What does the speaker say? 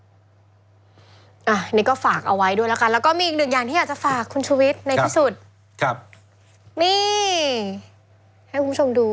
นี่ก็ฝากเอาไว้ด้วยแล้วก็มีอีกหนึ่งอย่างที่อยากจะฝากคุณชุวิตในที่สุด